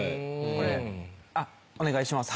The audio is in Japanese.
これお願いします。